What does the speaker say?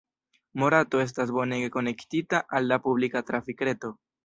Morato estas bonege konektita al la publika trafikreto.